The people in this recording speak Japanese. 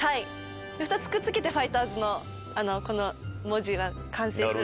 ２つくっ付けてファイターズのこの文字が完成する。